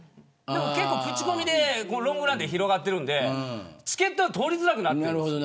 結構、口コミでロングランで広がっているんでチケットが取りづらくなってるんですよ。